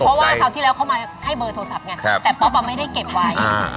เพราะว่าคราวที่แล้วเขามาให้เบอร์โทรศัพท์ไงแต่ป๊อปไม่ได้เก็บไว้